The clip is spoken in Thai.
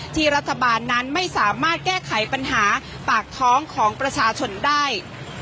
ที่ณไม่สามารถแก้ไขปัญหาปากท้องของประชาชนได้